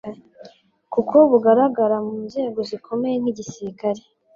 kuko bugaragara mu nzego zikomeye nk'Igisirikare,